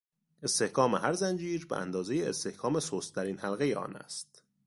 استحکام هر زنجیر به اندازهی استحکام سستترین حلقهی آن است.